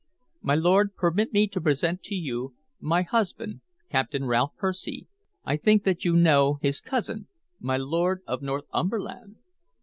My lord, permit me to present to you my husband, Captain Ralph Percy. I think that you know his cousin, my Lord of Northumberland."